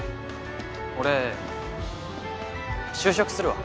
俺就職するわ。